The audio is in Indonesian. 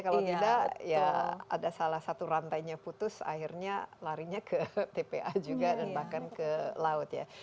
kalau tidak ya ada salah satu rantainya putus akhirnya larinya ke tpa juga dan bahkan ke laut ya